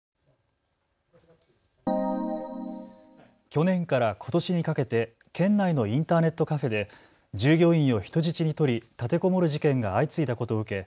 去年からことしにかけて県内のインターネットカフェで従業員を人質に取り立てこもる事件が相次いだことを受け